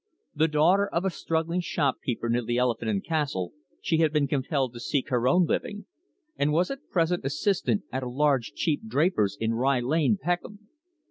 The daughter of a struggling shopkeeper near the Elephant and Castle, she had been compelled to seek her own living, and was at present assistant at a large cheap draper's in Rye Lane, Peckham.